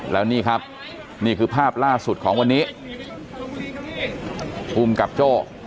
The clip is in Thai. แล้วนี่ครับนี่คือภาพล่าสุดของวันนี้ภูมิกับโจ้